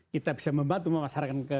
kita bisa membantu memasarkan